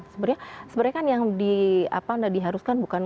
sebenarnya kan yang diharuskan